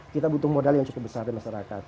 kita butuh modal yang cukup besar di masyarakat